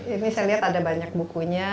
ini saya lihat ada banyak bukunya